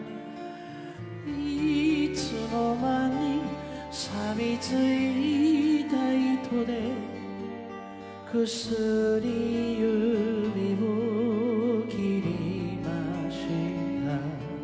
「いつの間にさびついた糸でくすり指を切りました」